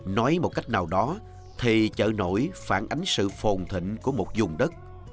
nói một cách nào đó thì chợ nổi phản ánh sự phồn thịnh của một dùng đất